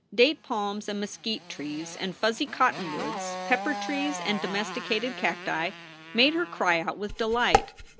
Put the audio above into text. Date palms and mesquite trees and fuzzy cottonwoods, pepper trees and domesticated cacti, made her cry out with delight.